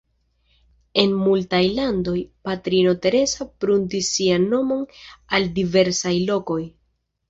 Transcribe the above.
En multaj landoj, Patrino Teresa pruntis sian nomon al diversaj lokoj.